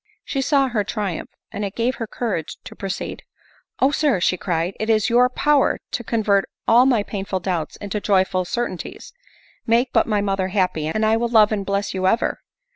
She saw her triumph, and it gave her courage to pro ceed :—" O Sir !" she cried, " it is in your power to con vert all my painful doubts into joyful certainties ; make but my mother happy, and I will love and bless you ever.